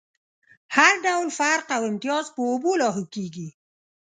هر ډول فرق او امتياز په اوبو لاهو کېږي.